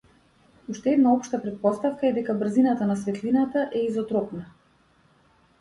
Уште една општа претпоставка е дека брзината на светлината е изотропна.